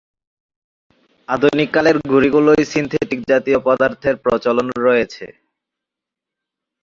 আধুনিককালের ঘুড়িগুলোয় সিনথেটিকজাতীয় পদার্থের প্রচলন রয়েছে।